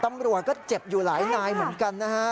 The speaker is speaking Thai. ตำรวจก็เจ็บอยู่หลายนายเหมือนกันนะฮะ